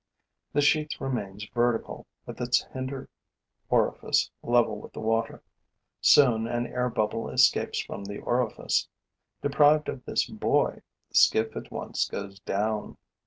The sheath remains vertical, with its hinder orifice level with the water. Soon, an air bubble escapes from the orifice. Deprived of this buoy, the skiff at once goes down.